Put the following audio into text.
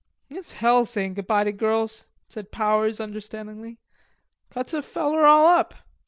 " "It's hell sayin' good by to girls," said Powers, understandingly. "Cuts a feller all up.